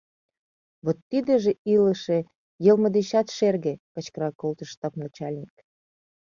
— Вот тидыже илыше «йылме» дечат шерге! — кычкырал колтыш штаб начальник.